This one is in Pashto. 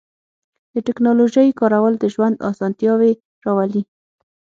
د تکنالوژۍ کارول د ژوند آسانتیاوې راولي.